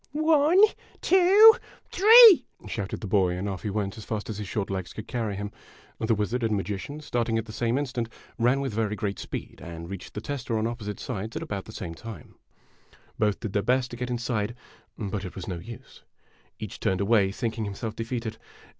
" One two three !" shouted the boy, and off he went as fast as his short legs could carry him. The wizard and magician, start ing at the same instant, ran with very great speed, and reached the tester on opposite sides at about the same time. Both clicl their best to get inside ; but it was no use. Each turned away, thinking himself defeated.